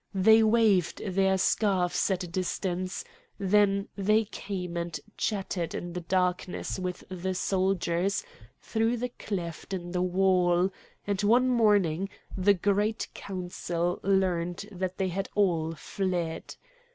They waved their scarfs at a distance; then they came and chatted in the darkness with the soldiers through the cleft in the wall, and one morning the Great Council learned that they had all fled.